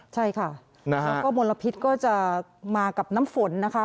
ใช่ค่ะแล้วก็มลพิษก็จะมากับน้ำฝนนะคะ